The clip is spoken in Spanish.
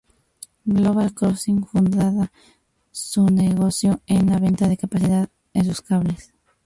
Global Crossing fundaba su negocio en la venta de capacidad en sus cables.